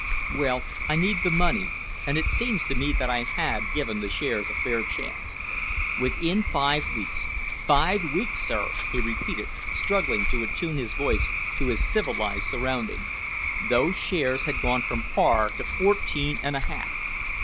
Well, I need the money and it seems to me that I had given the shares a fair chance. Within five weeks five weeks, sir," he repeated, struggling to attune his voice to his civilised surroundings, "those shares had gone from par to fourteen and a half.